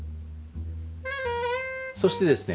そしてですね